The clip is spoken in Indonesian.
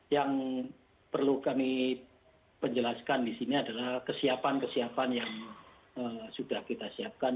yang perlu kami penjelaskan di sini adalah kesiapan kesiapan yang sudah kita siapkan